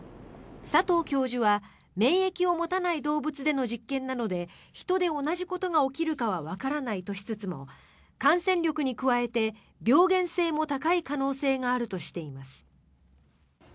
佐藤教授は免疫を持たない動物での実験なので人で同じことが起きるかはわからないとしつつも感染力に加えて病原性も高い可能性があるとしています。